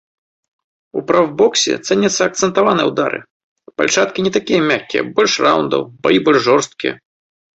У прафбоксе цэняцца акцэнтаваныя ўдары, пальчаткі не такія мяккія, больш раўндаў, баі больш жорсткія.